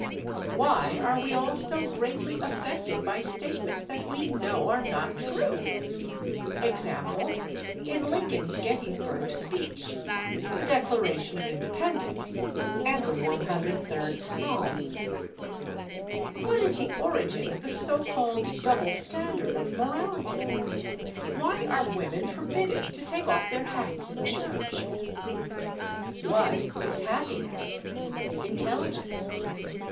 Why are we all so greatly affected by statements that we know are not true?—e. g. in Lincoln's Gettysburg speech, the Declaration of Independence and the CIII Psalm. What is the origin of the so called double standard of morality? Why are women forbidden to take off their hats in church? What is happiness? Intelligence?